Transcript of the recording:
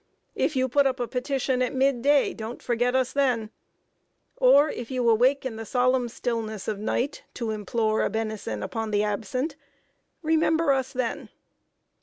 If you put up a petition at mid day, don't forget us then; or if you awake in the solemn stillness of the night, to implore a benison upon the absent, remember us then!